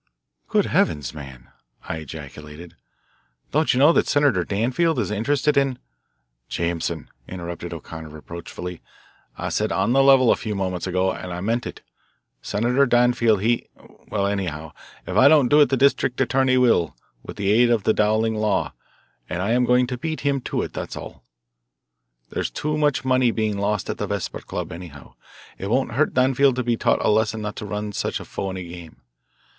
"Good heavens, man," I ejaculated, "don't you know that Senator Danfield is interested in " "Jameson," interrupted O'Connor reproachfully, "I said 'on the level' a few moments ago, and I meant it. Senator Danfield he well, anyhow, if I don't do it the district attorney will, with the aid of the Dowling law, and I am going to beat him to it, that's all. There's too much money being lost at the Vesper Club, anyhow. It won't hurt Danfield to be taught a lesson not to run such a phony game.